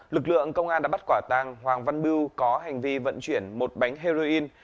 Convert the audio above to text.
lực lượng công an đã bắt quả tàng hoàng văn bưu có hành vi vận chuyển một bánh heroin